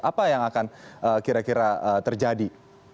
apa yang akan kira kira terjadi